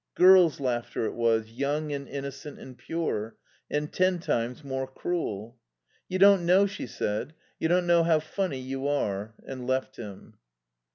Girl's laughter it was, young and innocent and pure, and ten times more cruel. "You don't know," she said, "you don't know how funny you are," and left him.